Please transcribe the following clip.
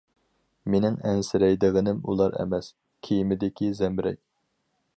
مېنىڭ ئەنسىرەيدىغىنىم ئۇلار ئەمەس، كېمىدىكى زەمبىرەك.